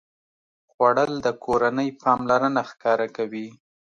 خوړل د کورنۍ پاملرنه ښکاره کوي